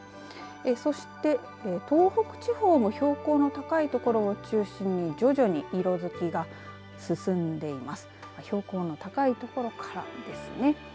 そして東北地方も標高の高いところを中心に徐々に色づきが進んでいます。